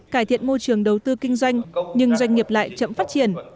cải thiện môi trường đầu tư kinh doanh nhưng doanh nghiệp lại chậm phát triển